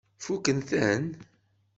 Fukken-ten?